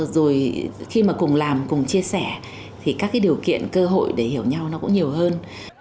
rồi khi mà cùng làm cùng chia sẻ thì các cái điều kiện cơ hội để hiểu nhau nó cũng nhiều hơn